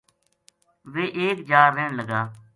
ویہ ایک جا رہن لگا